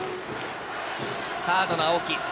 サードの青木。